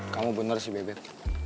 kamu bener sih bebet